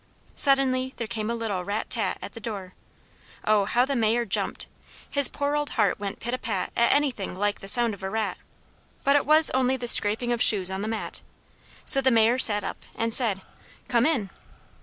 Suddenly there came a little rat tat at the door. Oh! how the Mayor jumped! His poor old heart went pit a pat at anything like the sound of a rat. But it was only the scraping of shoes on the mat. So the Mayor sat up, and said, "Come in!"